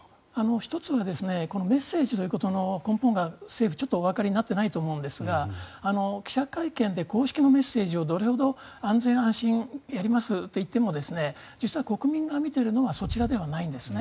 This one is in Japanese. １つはメッセージということの根本が政府はちょっとおわかりになっていないと思うんですが記者会見で公式なメッセージをどれほど安全安心やりますと言っても実は国民が見ているのはそちらではないんですね。